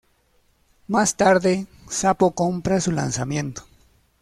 Más tarde, Sapo compra su lanzamiento.